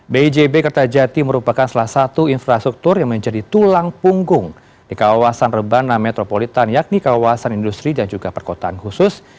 bijb kertajati merupakan salah satu infrastruktur yang menjadi tulang punggung di kawasan rebana metropolitan yakni kawasan industri dan juga perkotaan khusus